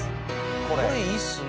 これいいっすね。